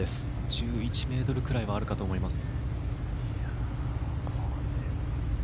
１１ｍぐらいはあるかと思います。